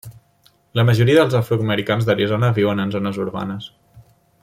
La majoria dels afroamericans d'Arizona viuen en zones urbanes.